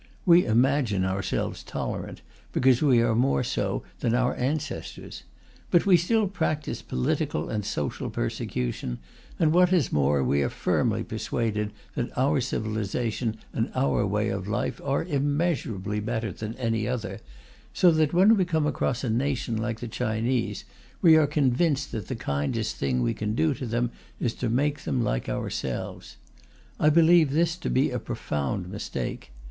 We imagine ourselves tolerant, because we are more so than our ancestors. But we still practise political and social persecution, and what is more, we are firmly persuaded that our civilization and our way of life are immeasurably better than any other, so that when we come across a nation like the Chinese, we are convinced that the kindest thing we can do to them is to make them like ourselves. I believe this to be a profound mistake.